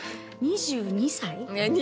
２２歳？